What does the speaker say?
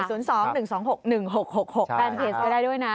แฟนเพจก็ได้ด้วยนะ